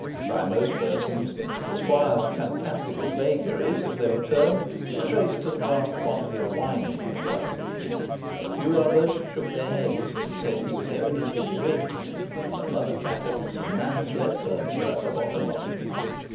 By most persons the squire's "fantastical vagaries," as they were termed, were traced to the vast quantity of wine he had drunk, but a few others shook their heads, and said he was evidently bewitched, and that Mother Chattox and Nance Redferne were at the bottom of it.